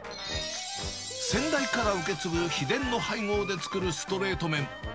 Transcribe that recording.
先代から受け継ぐ秘伝の配合で作るストレート麺。